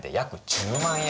１０万円！